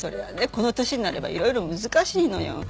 この年になればいろいろ難しいのよ。